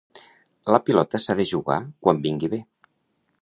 La pilota s'ha de jugar quan vingui bé.